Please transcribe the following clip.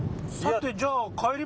さてじゃあ。